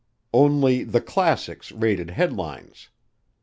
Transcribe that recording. Only "The Classics" rated headlines.